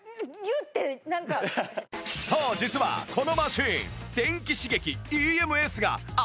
そう実はこのマシン